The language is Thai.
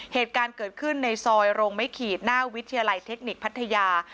เหตุการณ์เกิดขึ้นในซอยโรงไม้ขีดหน้าวิทยาลัยเทคนิคพัทยา